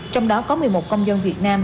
trong đó có một mươi một công dân việt nam